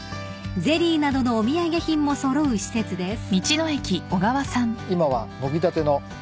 ゼリーなどのお土産品も揃う施設です］